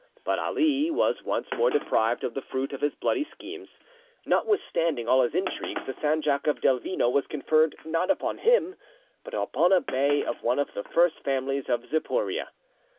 But Ali was once more deprived of the fruit of his bloody schemes. Notwithstanding all his intrigues, the sanjak of Delvino was conferred, not upon him, but upon a bey of one of the first families of Zapouria.